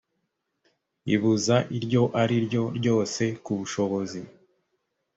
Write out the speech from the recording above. ibuza iryo ari ryo ryose ku bushobozi